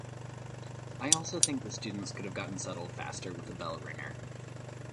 I also think the students could have gotten settled faster with a bell ringer